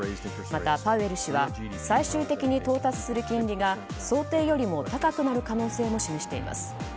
また、パウエル氏は最終的に到達する金利が想定よりも高くなる可能性も示しています。